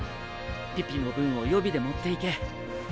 ピピの分を予備で持っていけ。